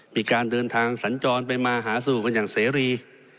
มีการเดินทางสัญจรไปมาหาสนุกกันอย่างเสรี